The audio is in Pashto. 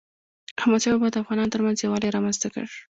احمدشاه بابا د افغانانو ترمنځ یووالی رامنځته کړ.